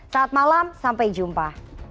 saat malam sampai jumpa